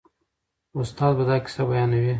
استاد به دا کیسه بیانوي.